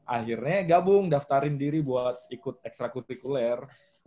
akhirnya gabung daftarin diri buat ikut extra kurikuler